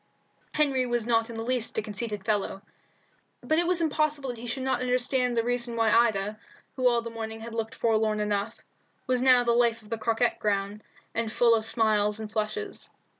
Henry was not in the least a conceited fellow, but it was impossible that he should not understand the reason why Ida, who all the morning had looked forlorn enough, was now the life of the croquet ground, and full of smiles and flushes.